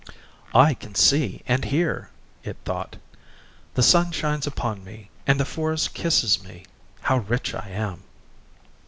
"I can see and hear," it thought; "the sun shines upon me, and the forest kisses me. How rich I am!"